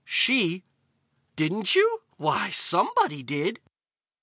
She: Didn't you? Why, somebody did!